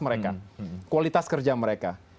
mereka kualitas kerja mereka